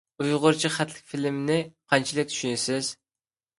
ئۇيغۇرچە خەتلىك فىلىمنى قانچىلىك چۈشىنىسىز؟